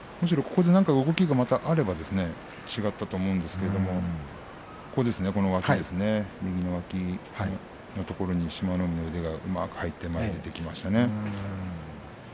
むしろここで何か動きがあれば違ったと思うんですが右の脇のところに志摩ノ海の手がうまく入って前に出ていきましたね。